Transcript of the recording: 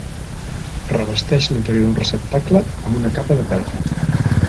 Revesteix l'interior d'un receptacle amb una capa de pelfa.